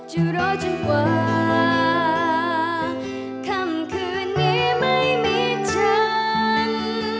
จะรอจนกว่าค่ำคืนนี้ไม่มีฉัน